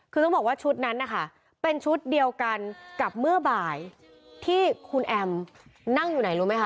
คือต้องบอกว่าชุดนั้นนะคะเป็นชุดเดียวกันกับเมื่อบ่ายที่คุณแอมนั่งอยู่ไหนรู้ไหมค